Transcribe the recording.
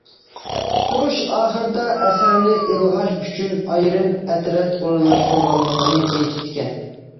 ئۇقتۇرۇش ئاخىرىدا، ئەسەرنى ئىلغاش ئۈچۈن ئايرىم ئەترەت ئورۇنلاشتۇرغانلىقىنى ئېيتىپتىكەن.